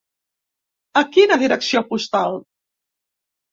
A quina direcció postal?